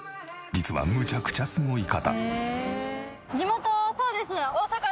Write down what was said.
実はむちゃくちゃすごい方。